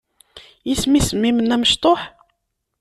Isem-is mmi-m-nni amectuḥ?